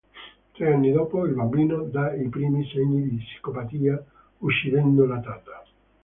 Tre anni dopo il bambino dà i primi segni di psicopatia uccidendo la tata.